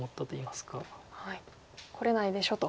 「これないでしょ？」と。